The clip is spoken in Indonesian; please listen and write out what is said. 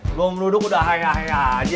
kalo menuduk udah aya aya aja